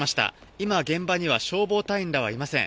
今、現場には消防隊員らはいません。